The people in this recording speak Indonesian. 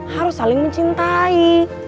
harus saling mencintai